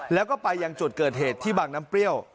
แล้วก็ไปยังจุดเกิดเหตุที่บางน้ำเปรี้ยว